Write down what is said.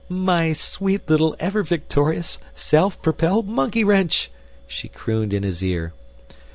"My sweet little ever victorious, self propelled monkey wrench!" she crooned in his ear.